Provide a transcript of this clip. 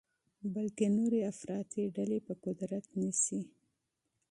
بلکې نورې افراطي ډلې به قدرت نیسي.